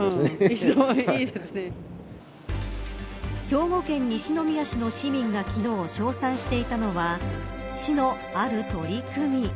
兵庫県西宮市の市民が昨日称賛していたのは市のある取り組み。